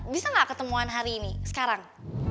bisa nggak ketemuan hari ini sekarang